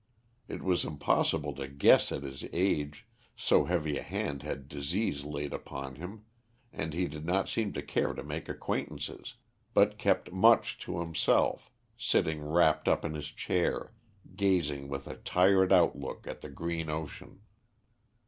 It was impossible to guess at his age, so heavy a hand had disease laid upon him, and he did not seem to care to make acquaintances, but kept much to himself, sitting wrapped up in his chair, gazing with a tired out look at the green ocean.